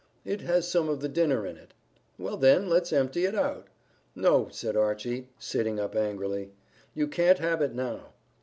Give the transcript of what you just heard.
"It has some of the dinner in it." "Well, then, let's empty it out." "No," said Archy, sitting up angrily; "you can't have it now."